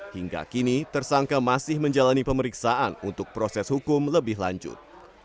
hingga kini tersangka masih menjalani pemeriksaan untuk proses hukum lebih lanjut